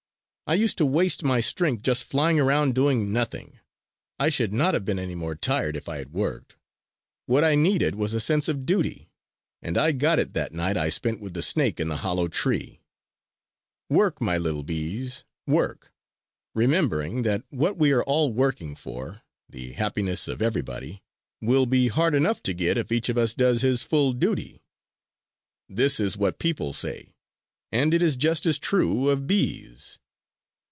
I used to waste my strength just flying around doing nothing. I should not have been any more tired if I had worked. What I needed was a sense of duty; and I got it that night I spent with the snake in the hollow tree. "Work, my little bees, work! remembering that what we are all working for, the happiness of everybody, will be hard enough to get if each of us does his full duty. This is what people say, and it is just as true of bees.